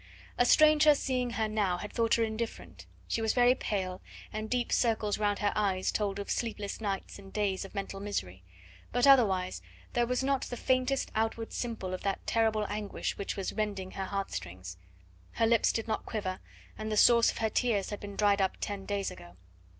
A stranger seeing her now had thought her indifferent. She was very pale, and deep circles round her eyes told of sleepless nights and days of mental misery, but otherwise there was not the faintest outward symptom of that terrible anguish which was rending her heartstrings. Her lips did not quiver, and the source of her tears had been dried up ten days ago.